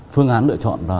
phương án lựa chọn